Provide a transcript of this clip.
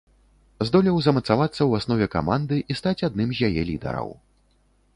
Здолеў замацавацца ў аснове каманды і стаць адным з яе лідараў.